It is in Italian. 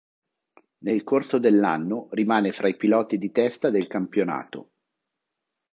Nel corso dell'anno rimane fra i piloti di testa del campionato.